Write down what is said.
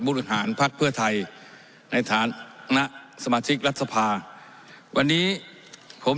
มุฒิฐานภาคเพื่อไทยในฐานณสมาชิกรัฐสภาวันนี้ผม